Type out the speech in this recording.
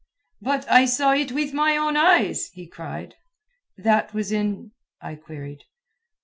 "But I saw it with my own eyes!" he cried. "That was in ?" I queried.